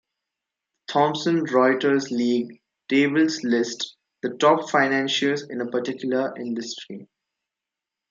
The Thomson Reuters league tables list the top financiers in a particular industry.